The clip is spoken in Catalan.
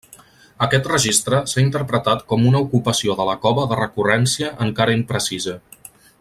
Aquest registre s’ha interpretat com a una ocupació de la cova de recurrència encara imprecisa.